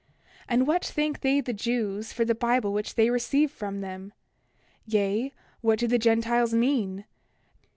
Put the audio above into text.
And what thank they the Jews for the Bible which they receive from them? Yea, what do the Gentiles mean?